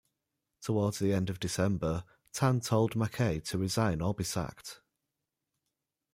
Towards the end of December, Tan told Mackay to resign or be sacked.